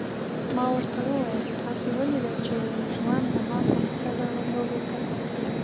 ما ورته وویل: تاسي ولیدل چې ژوند له ما سره څه ډول لوبې کوي.